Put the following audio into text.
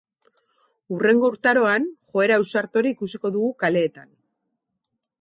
Hurrengo urtaroan joera ausart hori ikusiko dugu kaleetan.